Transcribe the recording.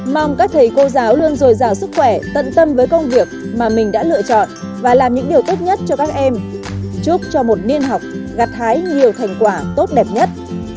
mong các thầy cô giáo luôn dồi dào sức khỏe tận tâm với công việc mà mình đã lựa chọn và làm những điều tốt nhất cho các em chúc cho một niên học gặt hái nhiều thành quả tốt đẹp nhất